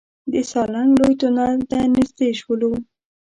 د سالنګ لوی تونل ته نزدې شولو.